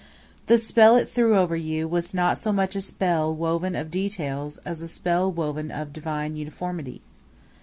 The spell it threw over you was not so much a spell woven of details as a spell woven of divine uniformity.